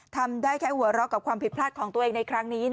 ทำได้แค่หัวเราะกับความผิดพลาดของตัวเองในครั้งนี้